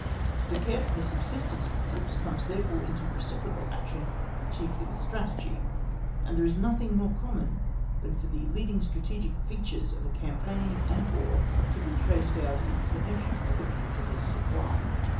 The care for the subsistence of the troops comes therefore into reciprocal action chiefly with strategy, and there is nothing more common than for the leading strategic features of a campaign and War to be traced out in connection with a view to this supply.